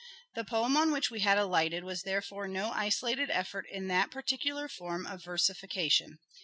The poem on which we had alighted was therefore no isolated effort in that particular form of versification.